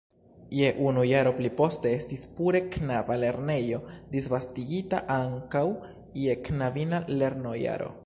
Je unu jaro pli poste estis pure knaba lernejo disvastigita ankaŭ je knabina lernojaro.